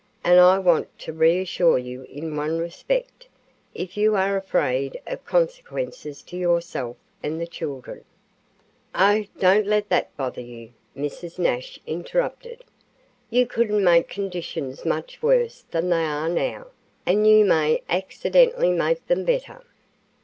"And I want to reassure you in one respect, if you are afraid of consequences to yourself and the children." "Oh, don't let that bother you," Mrs. Nash interrupted. "You couldn't make conditions much worse than they are now, and you may accidentally make them better."